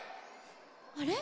あれ？